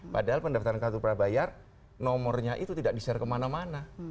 padahal pendaftaran kartu prabayar nomornya itu tidak di share kemana mana